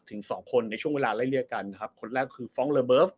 ถึงสองคนในช่วงเวลาหลายหรือกันนะครับคนแรกคือฟอง